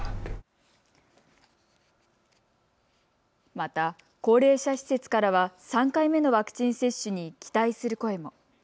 また高齢者施設からは３回目のワクチン接種に期待する声も。